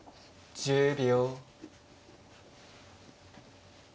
１０秒。